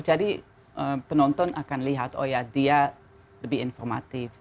jadi penonton akan lihat oh ya dia lebih informatif